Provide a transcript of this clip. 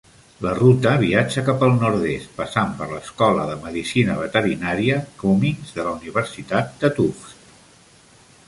La ruta viatja cap al nord-est, passant per l'escola de medicina veterinària Cummings de la Universitat de Tufts.